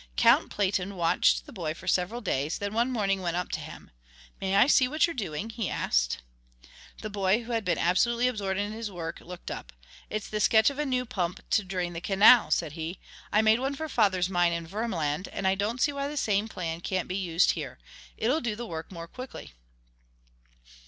Count Platen watched the boy for several days, and then one morning went up to him. "May I see what you're doing?" he asked. The boy, who had been absolutely absorbed in his work, looked up. "It's the sketch of a new pump to drain the canal," said he. "I made one for father's mine in Vermland, and I don't see why the same plan can't be used here. It'll do the work more quickly."